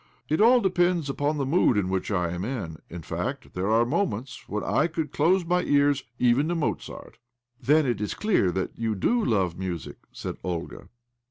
It all depends upon the mood in which I am. In fact, there are moments when I could close my ears even to Mozart." " Then it is clear that you 4o love music," said Olga.